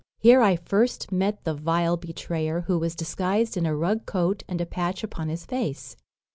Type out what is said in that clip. Here I first met the vile betrayer, who was disguised in a rug coat and a patch upon his face."